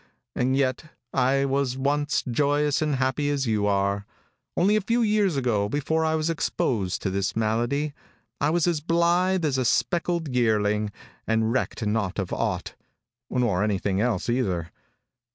And yet I was once joyous and happy as you are. Only a few years ago, before I was exposed to this malady, I was as blithe as a speckled yearling, and recked not of aught nor anything else, either.